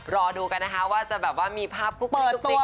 รอดูกันนะคะว่าจะแบบว่ามีภาพกุ๊กกิ๊ก